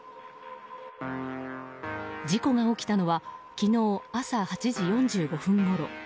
事故が起きたのは昨日朝８時４５分ごろ。